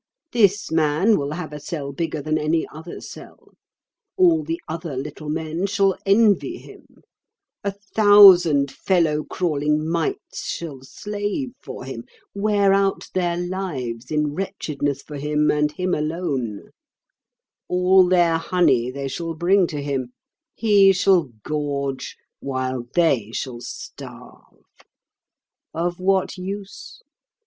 This man will have a cell bigger than any other cell; all the other little men shall envy him; a thousand fellow crawling mites shall slave for him, wear out their lives in wretchedness for him and him alone; all their honey they shall bring to him; he shall gorge while they shall starve. Of what use?